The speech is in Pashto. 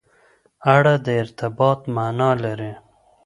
اړه د ارتباط معنا لري.